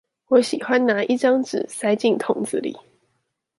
我喜歡拿一張紙塞進桶子裡